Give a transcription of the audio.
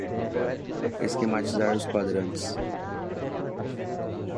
Esquematizar os quadrantes